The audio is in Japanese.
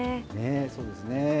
そうですね。